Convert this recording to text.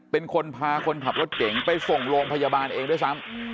เป็นคนพาคนขับรถเก่งไปส่งโรงพยาบาลเองด้วยซ้ำ